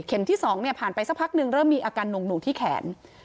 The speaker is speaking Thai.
เข็มที่สองเนี่ยผ่านไปสักพักหนึ่งเริ่มมีอาการหนุ่งหนุ่งที่แขน